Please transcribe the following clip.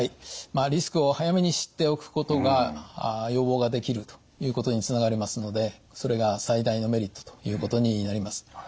まあリスクを早めに知っておくことが予防ができるということにつながりますのでそれが最大のメリットということになります。